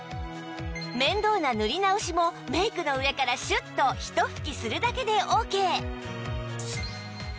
面倒な塗り直しもメイクの上からシュッとひと吹きするだけでオーケー